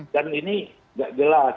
dan ini gak gelas